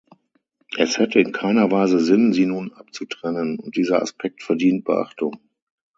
Es hätte in keiner Weise Sinn, sie nun abzutrennen, und dieser Aspekt verdient Beachtung.